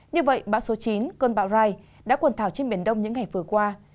như vậy bão số chín cơn bão rai đã quần thảo trên biển đông những ngày vừa qua